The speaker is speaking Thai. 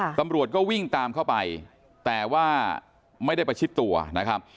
ตำรวจก็วิ่งตามเข้าไปแต่ว่าไม่ได้ประชิดตัวนะครับ